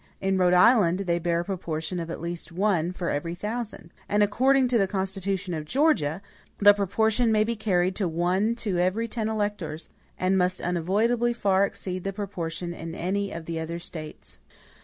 In Rhode Island, they bear a proportion of at least one for every thousand. And according to the constitution of Georgia, the proportion may be carried to one to every ten electors; and must unavoidably far exceed the proportion in any of the other States.